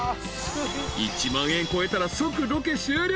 ［１万円超えたら即ロケ終了］